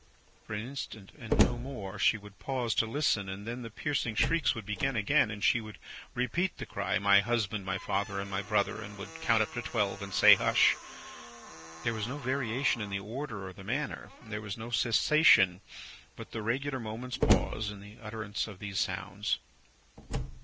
For an instant, and no more, she would pause to listen, and then the piercing shrieks would begin again, and she would repeat the cry, 'My husband, my father, and my brother!' and would count up to twelve, and say, 'Hush!' There was no variation in the order, or the manner. There was no cessation, but the regular moment's pause, in the utterance of these sounds.